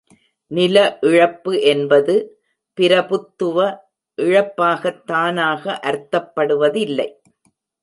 நில இழப்பு என்பது, பிரபுத்துவ இழப்பாகத் தானாக அர்த்தப்படுவதில்லை.